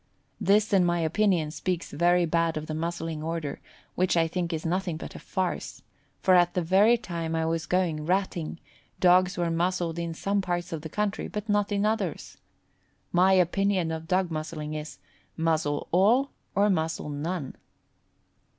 This in my opinion, speaks very bad of the Muzzling Order, which I think is nothing but a farce, for at the very time I was going ratting, dogs were muzzled in some parts of the country but not in others. My opinion of dog muzzling is, muzzle all or muzzle none.